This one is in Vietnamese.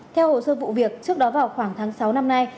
theo hồ sơ vụ việc trước đó vào khoảng tháng sáu năm nay